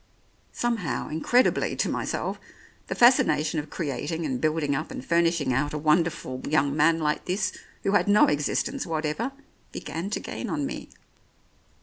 Somehow, incredibly to myself, the fascination of creating and building up and furnishing out a won derful young man like this, who had no existence whatever, began to gain on me.